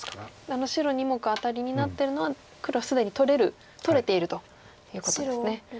あの白２目アタリになってるのは黒既に取れているということですね。